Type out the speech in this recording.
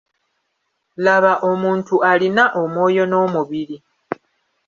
Laba omuntu alina omwoyo n'omubiri.